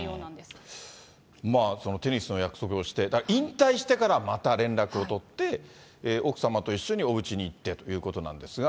まあ、テニスの約束をして、引退してからまた連絡を取って、奥様と一緒におうちに行ってということなんですが。